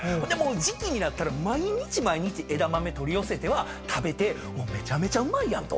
時季になったら毎日毎日枝豆取り寄せては食べてめちゃめちゃうまいやんと。